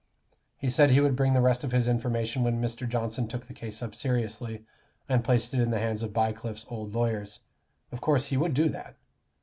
He said he would bring the rest of his information when Mr. Johnson took the case up seriously, and place it in the hands of Bycliffe's old lawyers of course he would do that?